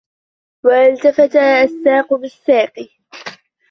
وَالتَفَّتِ السّاقُ بِالسّاقِ